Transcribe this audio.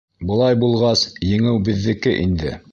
Былай булғас, еңеү беҙҙеке инде!